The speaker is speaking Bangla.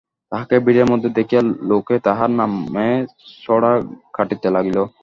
তাহাকে ভিড়ের মধ্যে দেখিয়া লোকে তাহার নামে ছড়া কাটিতে লাগিল।